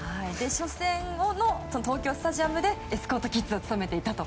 初戦の東京スタジアムでエスコートキッズを務めていたと。